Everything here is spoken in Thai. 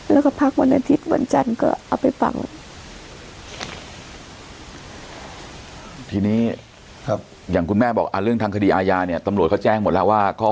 แล้วก็พักวันอาทิตย์คือวันจันทร์ก็เอาไปฟังครับทีนี้อย่างคุณแม่บอกเรื่องทางคดีอายาเนี่ยตำรวจเขาแจ้งหมดล่ะ